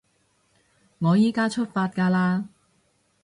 我依加出發㗎喇